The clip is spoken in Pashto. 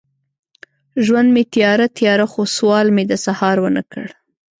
ژوند مې تیاره، تیاره، خو سوال مې د سهار ونه کړ